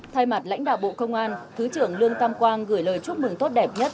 thay mặt lãnh đạo bộ công an thứ trưởng lương tam quang gửi lời chúc mừng tốt đẹp nhất